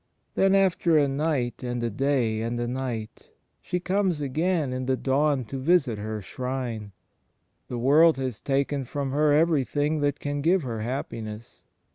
... Then after a night and a day and a night she comes again in the dawn to visit her shrine. The world has taken from her everything that can give her happiness.